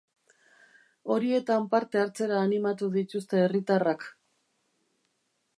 Horietan parte hartzera animatu dituzte herritarrak.